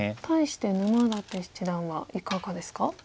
対して沼舘七段はいかがですか？